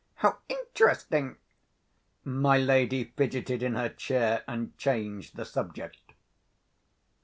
how interesting!" My lady fidgeted in her chair, and changed the subject.